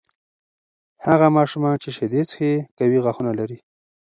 هغه ماشومان چې شیدې څښي، قوي غاښونه لري.